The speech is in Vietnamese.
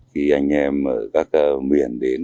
khi anh em ở các miền đến